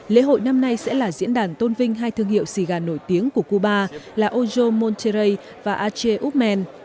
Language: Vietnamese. lễ hội năm nay sẽ là diễn đàn tôn vinh hai thương hiệu siga nổi tiếng của cuba là ojo monterrey và ache umen